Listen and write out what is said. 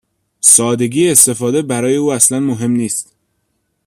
سادگی استفاده برای او اصلا مهم نیست.